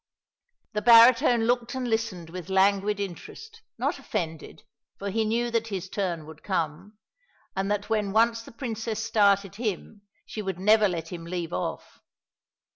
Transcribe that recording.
The baritone looked and listened with languid interest, not offended, for he knew that his turn would come, and that when once the Princess started him she would never let him leave off.